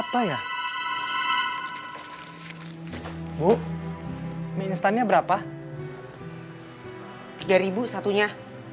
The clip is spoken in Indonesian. yaudah deh bu saya beli dua aja